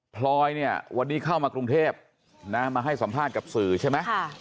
พลอยเนี่ยวันนี้เข้ามากรุงเทพนะมาให้สัมภาษณ์กับสื่อใช่ไหม